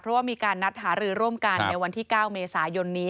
เพราะว่ามีการนัดหารือร่วมกันในวันที่๙เมษายนนี้